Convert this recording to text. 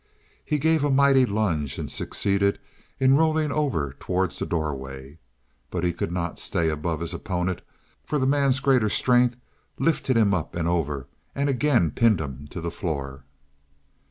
He gave a mighty lunge and succeeded in rolling over toward the doorway. But he could not stay above his opponent, for the man's greater strength lifted him up and over, and again pinned him to the floor.